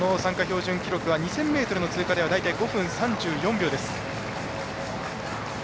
標準記録は２０００ｍの通過では大体５分３４秒です。